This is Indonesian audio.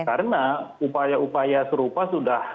karena upaya upaya serupa sudah